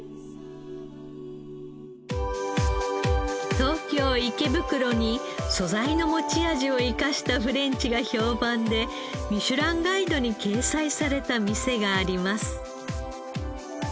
東京池袋に素材の持ち味を生かしたフレンチが評判で『ミシュランガイド』に掲載された店があります。